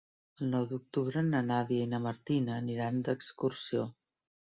El nou d'octubre na Nàdia i na Martina aniran d'excursió.